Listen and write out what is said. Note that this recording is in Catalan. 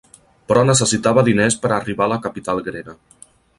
Però necessitava diners per arribar a la capital grega.